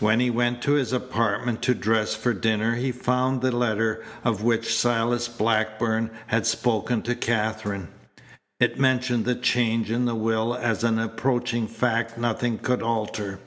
When he went to his apartment to dress for dinner he found the letter of which Silas Blackburn had spoken to Katherine. It mentioned the change in the will as an approaching fact nothing could alter.